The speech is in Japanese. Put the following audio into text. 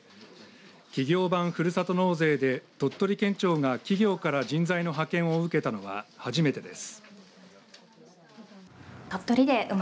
企業版ふるさと納税で鳥取県庁が企業からの人材の派遣を受けたのは初めてです。